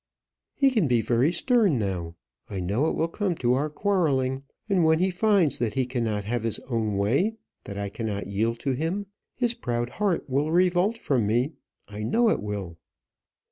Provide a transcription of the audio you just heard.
"He can be very stern now. I know it will come to our quarrelling; and when he finds that he cannot have his own way, that I cannot yield to him, his proud heart will revolt from me; I know it will."